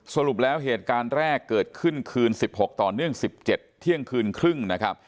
สรุปแล้วเหตุการณ์แรกเกิดขึ้นคืน๑๖ต่อเนื่อง๑๗เที่ยงคืนครึ่งนะครับ